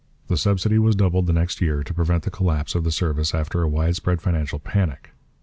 The subsidy was doubled the next year to prevent the collapse of the service after a widespread financial panic.